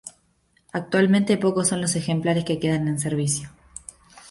Actualmente pocos son los ejemplares que quedan en servicio.